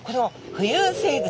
浮遊生物。